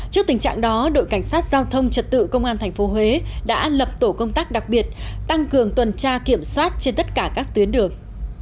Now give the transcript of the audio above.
trước tình trạng đó đội cảnh sát giao thông trật tự công an tp huế đã lập tổ công tác đặc biệt tăng cường tuần tra kiểm soát trên tất cả các tuyến đường